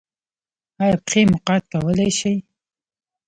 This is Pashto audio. ایا پښې مو قات کولی شئ؟